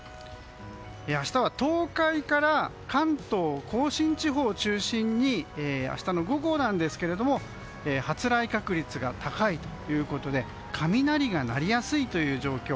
明日は東海から関東・甲信地方を中心に明日の午後ですけども発雷確率が高いということで雷が鳴りやすいという状況。